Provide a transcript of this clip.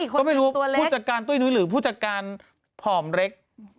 ก็ไม่รู้ผู้จัดการตุ้ยนุ้ยหรือผู้จัดการผอมเล็ก